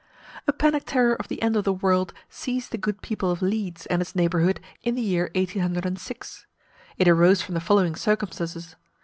A panic terror of the end of the world seized the good people of Leeds and its neighbourhood in the year 1806. It arose from the following circumstances.